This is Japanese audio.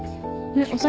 お酒？